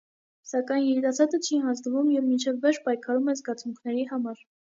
Սակայն երիտասարդը չի հանձնվում և մինչ վերջ պայքարում է զգացմունքների համար։